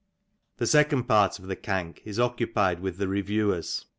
The second part of the Cant is occupied with the Reviewers.